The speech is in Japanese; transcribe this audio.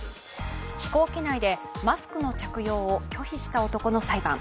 飛行機内で、マスクの着用を拒否した男の裁判。